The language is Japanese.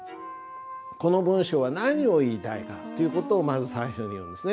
この文章は何を言いたいかっていう事をまず最初に言うんですね。